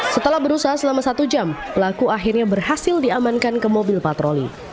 setelah berusaha selama satu jam pelaku akhirnya berhasil diamankan ke mobil patroli